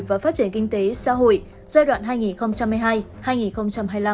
và phát triển kinh tế xã hội giai đoạn hai nghìn hai mươi hai hai nghìn hai mươi năm